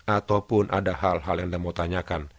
ataupun ada hal hal yang anda mau tanyakan